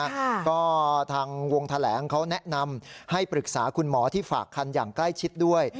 ค่ะก็ทางวงแถลงเขาแนะนำให้ปรึกษาคุณหมอที่ฝากคันอย่างใกล้ชิดด้วย